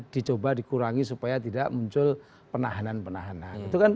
dicoba dikurangi supaya tidak muncul penahanan penahanan